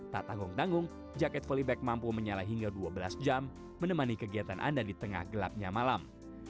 tak tanggung tanggung jaket volleyback mampu menyala hingga dua belas jam menemani kegiatan anda di tengah gelapnya malam